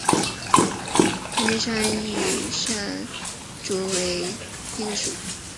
梵净山玉山竹为禾本科玉山竹属下的一个种。